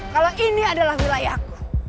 kalau ini adalah wilayahku